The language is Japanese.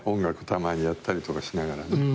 たまにやったりとかしながら。